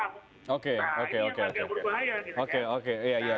nah ini akan berbahaya